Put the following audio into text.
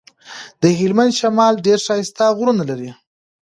د هلمند شمال ډير ښايسته غرونه لري.